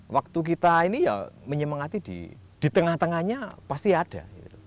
waktu kita ini ya menyemangati di tengah tengahnya pasti ada